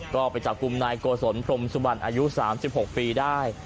ก็ไปจับกลุ่มนายโกศลพรมสุบันอายุ๓๖ปีได้